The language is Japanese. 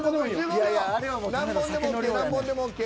何本でもＯＫ何本でもＯＫ。